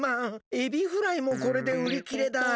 エビフライもこれでうりきれだ。